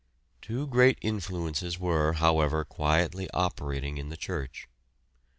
Two great influences were, however, quietly operating in the church.